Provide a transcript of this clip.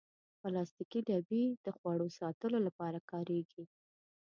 پلاستيکي ډبې د خواړو ساتلو لپاره کارېږي.